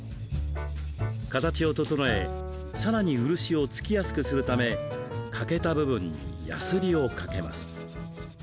形を整え、さらに漆をつきやすくするため欠けた部分にやすりをかけます。